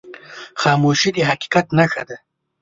خاموشي، د حقیقت نښه ده.